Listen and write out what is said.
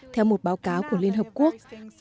theo một báo cáo của liên hợp quốc